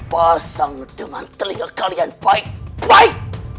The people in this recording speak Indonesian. pasang dengan telinga kalian baik baik